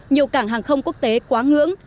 nhiều cảng hàng không quốc tế quá ngưỡng